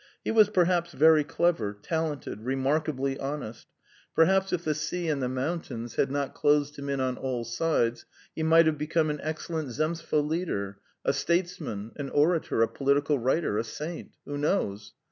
He was perhaps very clever, talented, remarkably honest; perhaps if the sea and the mountains had not closed him in on all sides, he might have become an excellent Zemstvo leader, a statesman, an orator, a political writer, a saint. Who knows?